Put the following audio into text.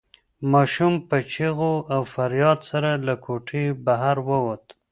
ماشوم په چیغو او فریاد سره له کوټې بهر ووت.